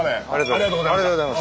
ありがとうございます。